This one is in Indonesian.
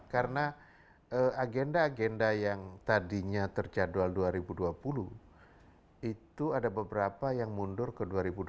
karena agenda agenda yang tadinya terjadwal dua ribu dua puluh itu ada beberapa yang mundur ke dua ribu dua puluh satu